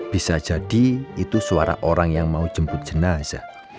bisa jadi itu suara orang yang mau jemput jenazah